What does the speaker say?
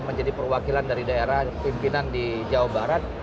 menjadi perwakilan dari daerah pimpinan di jawa barat